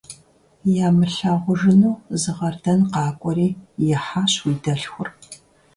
Ямылъагъужыну зы къардэн къакӀуэри, ихьащ уи дэлъхур.